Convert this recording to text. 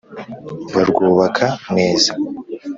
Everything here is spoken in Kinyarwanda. Barwubaka neza